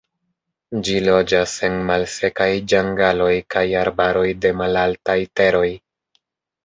Ĝi loĝas en malsekaj ĝangaloj kaj arbaroj de malaltaj teroj.